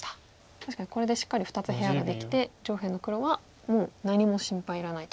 確かにこれでしっかり２つ部屋ができて上辺の黒はもう何も心配いらないと。